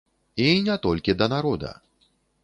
І не толькі да народа.